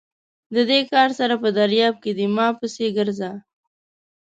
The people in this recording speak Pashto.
د دې کار سر په درياب کې دی؛ مه پسې ګرځه!